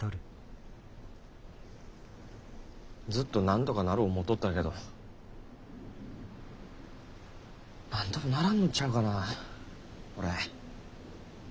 ずっとなんとかなる思うとったけどなんともならんのちゃうかな俺。